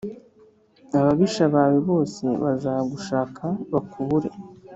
ababisha bawe bose bazagushaka bakubure